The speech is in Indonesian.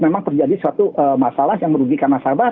memang terjadi suatu masalah yang merugikan nasabah